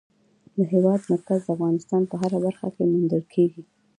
د هېواد مرکز د افغانستان په هره برخه کې موندل کېږي.